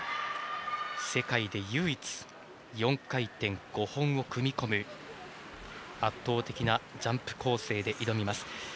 世界で唯一４回転５本を組み込む圧倒的なジャンプ構成で挑みます。